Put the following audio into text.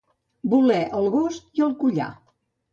Voler el gos i el collar.